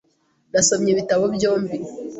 Nasomye ibitabo byombi .